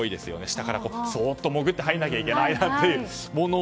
下からそっと潜って入らなきゃいけないというもの。